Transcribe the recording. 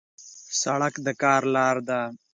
سړک د کار لار ده.